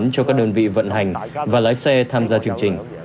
cho các đơn vị vận hành và lái xe tham gia chương trình